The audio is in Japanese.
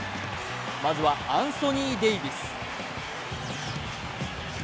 まずは、アンソニー・デイビス。